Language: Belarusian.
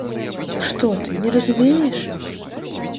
Што ты, не разумееш?